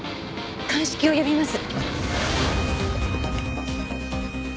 鑑識を呼びます。